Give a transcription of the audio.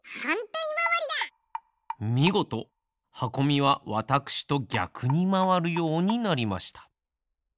みごとはこみはわたくしとぎゃくにまわるようになりました。